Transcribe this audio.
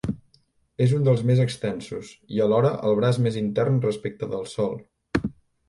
És un dels més extensos, i alhora el braç més intern respecte del Sol.